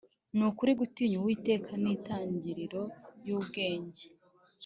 Ni ukuri gutinya Uwiteka ni itangiriro ry’ubwenge (Zaburi :)